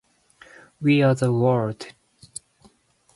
We are the world